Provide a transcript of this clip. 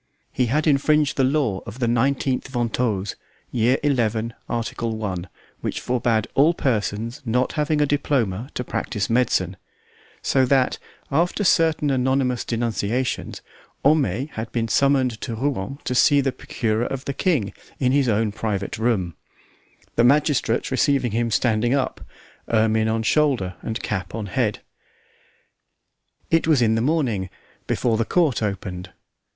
He had infringed the law of the 19th Ventose, year xi., article I, which forbade all persons not having a diploma to practise medicine; so that, after certain anonymous denunciations, Homais had been summoned to Rouen to see the procurer of the king in his own private room; the magistrate receiving him standing up, ermine on shoulder and cap on head. It was in the morning, before the court opened.